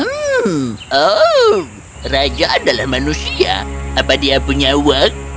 hmm oh raja adalah manusia apa dia punya wak